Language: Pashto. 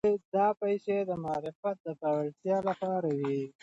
دا پيسې د معارف د پياوړتيا لپاره وې.